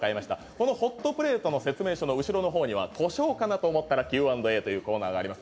このホットプレートの説明書の後ろの方には故障かなと思ったらＱ＆Ａというコーナーがあります。